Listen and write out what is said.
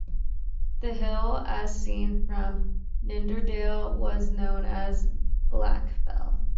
The hill as seen from Nidderdale was known as "Blackfell".